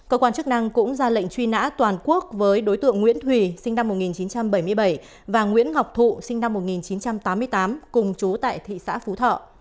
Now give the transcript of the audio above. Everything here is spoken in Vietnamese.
cơ quan chức năng cũng ra lệnh truy nã toàn quốc với đối tượng nguyễn thùy sinh năm một nghìn chín trăm bảy mươi bảy và nguyễn ngọc thụ sinh năm một nghìn chín trăm tám mươi tám cùng chú tại thị xã phú thọ